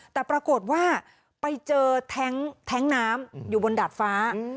แต่ปรากฏว่าไปเจอแท้งน้ำอยู่บนดาดฟ้า